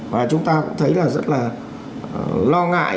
và chúng ta cũng thấy là rất là lo ngại